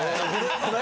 これ？